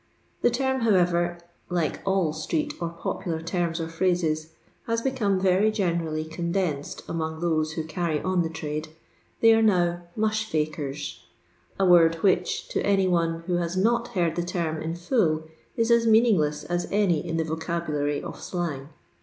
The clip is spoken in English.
The term, howoTer, like all street or popular tenna or phrases^ has beeome Tery generally condensed among those who emy on the trade — ^they are now musK fakers, a word which, to any one who has not heard the term in full, is a« meaningless as any in the vocabulary of slang.